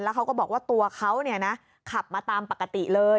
แล้วเขาก็บอกว่าตัวเขาเนี่ยนะขับมาตามปกติเลย